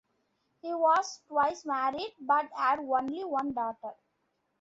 He was twice married, but had only one daughter.